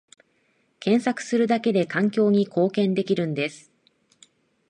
検索するだけで環境に貢献できるんです